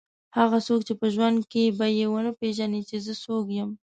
هغه څوک چې په ژوند کې به یې ونه پېژني چې زه څوک یم.